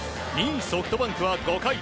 ２位ソフトバンクは５回。